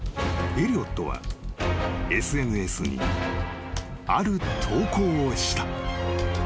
［エリオットはＳＮＳにある投稿をした］